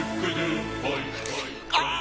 ああ！